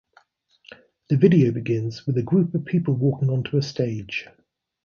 The video begins with a group of people walking onto a stage.